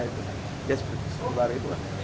ya sejumlah itu